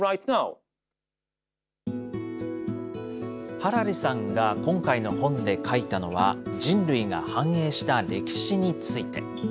ハラリさんが今回の本で書いたのは、人類が繁栄した歴史について。